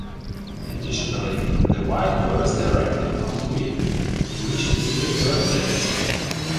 Additionally, the wife goes directly from queen to wishing to be a 'goddess'.